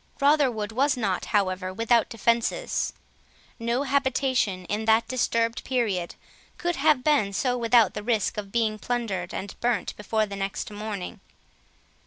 Rotherwood was not, however, without defences; no habitation, in that disturbed period, could have been so, without the risk of being plundered and burnt before the next morning.